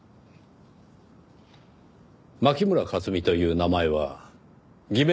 牧村克実という名前は偽名でした。